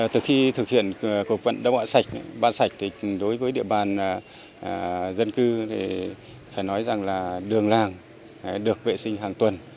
từ khi thực hiện cuộc vận động ba sạch đối với địa bàn dân cư phải nói rằng là đường làng được vệ sinh hàng tuần